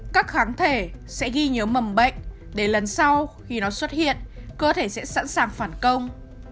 các kháng thể sẽ ghi nhớ mầm bệnh để lần sau khi nó xuất hiện cơ thể sẽ sẵn sàng phản công